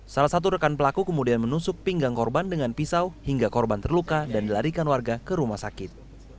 salah satu rekan pelaku kemudian menusuk pinggang korban dengan pisau hingga korban terluka dan dilarikan warga ke rumah sakit